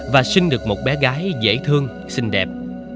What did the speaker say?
và sinh được một bé gái dễ thương xinh đẹp